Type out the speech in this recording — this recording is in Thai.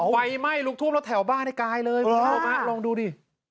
ไหวไหม้ลุกท่วมรถแถวบ้านไอ้กายเลยอ๋อมาลองดูดิ